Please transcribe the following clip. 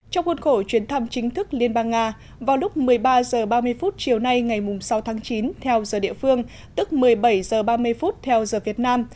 trong khuôn khổ chuyến thăm chính thức liên bang nga vào lúc một mươi ba h ba mươi chiều nay ngày sáu tháng chín theo giờ địa phương tức một mươi bảy h ba mươi theo giờ việt nam